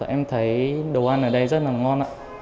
em thấy đồ ăn ở đây rất là ngon